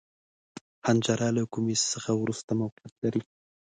حنجره له کومي څخه وروسته موقعیت لري.